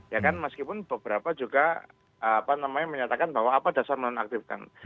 ya kan meskipun beberapa juga apa namanya menyatakan bahwa apa dasar menonaktifkan